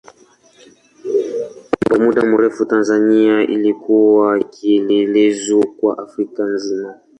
Kwa muda mrefu Tanzania ilikuwa kielelezo kwa Afrika nzima.